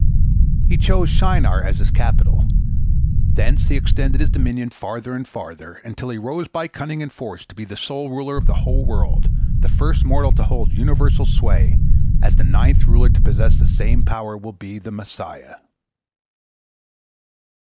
He chose Shinar as his capital. Thence he extended his dominion farther and farther, until he rose by cunning and force to be the sole ruler of the whole world, the first mortal to hold universal sway, as the ninth ruler to possess the same power will be the Messiah.